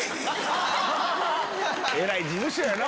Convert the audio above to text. えらい事務所やな！